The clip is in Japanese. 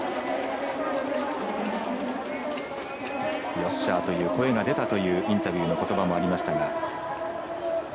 よっしゃーという声が出たというインタビューのことばもありましたが。